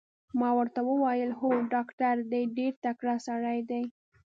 ما ورته وویل: هو ډاکټر دی، ډېر تکړه سړی دی.